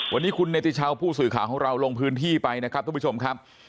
วันนี้คุณเนติชาวผู้สื่อข่าวของเราลงพื้นที่ไปนะครับทุกผู้ชมครับ